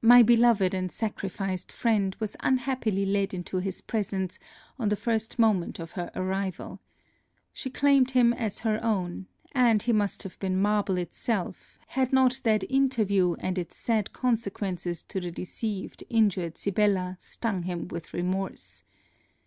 My beloved and sacrificed friend was unhappily led into his presence on the first moment of her arrival. She claimed him as her own; and, he must have been marble itself, had not that interview and its sad consequences to the deceived injured Sibella stung him with remorse.